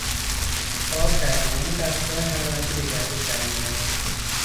آب در تمام دستگاه حرارتی به گردش درمیآید.